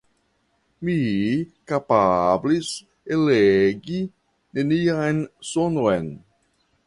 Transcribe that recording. Mi kapablis eligi nenian sonon.